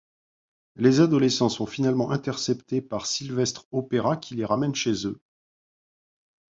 Les adolescents sont finalement interceptés par Sylvestre Opéra qui les ramène chez eux.